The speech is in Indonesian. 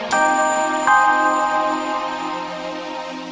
jangan suka mandok